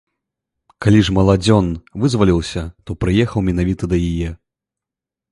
Калі ж маладзён вызваліўся, то прыехаў менавіта да яе.